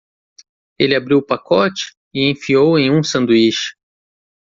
Ele abriu o pacote? e enfiou em um sanduíche.